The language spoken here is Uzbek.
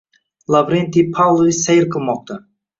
Lavrentiy Pavlovich sayr qilmoqda!..